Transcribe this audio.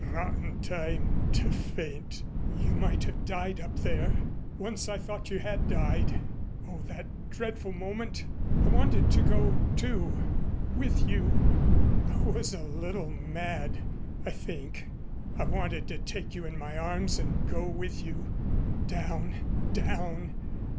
"Rotten time to faint." "You might have died up there. Once I thought you had died. Oh, that dreadful moment! I wanted to go, too with you. I was a little mad, I think. I wanted to take you in my arms and go with you down down.